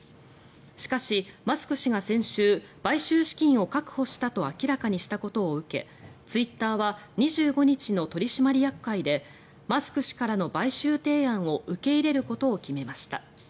しかし、マスク氏が先週買収資金を確保したと明らかにしたことを受けツイッターは２５日の取締役会でマスク氏からの買収提案を受け入れることを決めました。